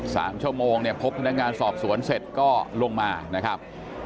สามชั่วโมงเนี่ยพบพนักงานสอบสวนเสร็จก็ลงมานะครับ